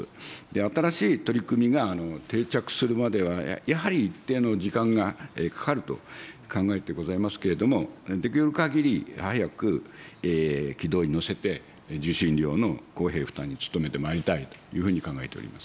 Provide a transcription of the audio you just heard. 新しい取り組みが定着するまでは、やはり一定の時間がかかると考えてございますけれども、できるかぎり早く軌道に乗せて、受信料の公平負担に努めてまいりたいというふうに考えております。